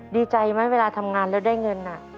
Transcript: ดีใจไหมเวลาทำงานแล้วได้เงิน